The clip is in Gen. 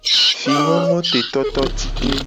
Fingongotetototike.